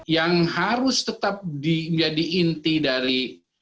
yang harus tetap menjadi inti dari